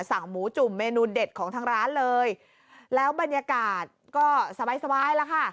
สั่งหมูจุ่มเมนูเด็ดของทางร้านเลยแล้วบรรยากาศก็สบายสบายแล้วค่ะ